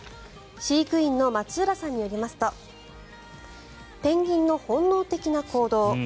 飼育員の松浦さんによりますとペンギンの本能的な行動。